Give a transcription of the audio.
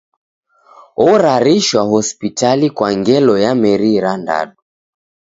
Orarishwa hospitali kwa ngelo ya meri irandadu.